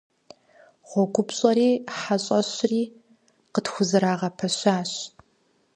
ГъуэгупщӀэри хьэщӀэщри къытхузэрагъэпэщащ.